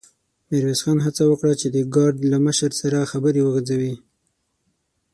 ميرويس خان هڅه وکړه چې د ګارد له مشر سره خبرې وغځوي.